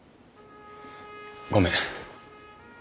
ごめん。